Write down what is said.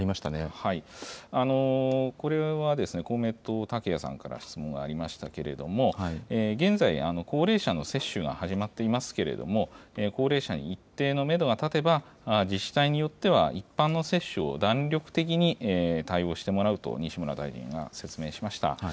これは公明党、竹谷さんから質問がありましたけれども、現在、高齢者への接種が始まっていますけれども、高齢者に一定のメドが立てば、自治体によっては一般の接種を弾力的に対応してもらうと西村大臣は説明しました。